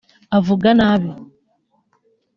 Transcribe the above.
avuga nabi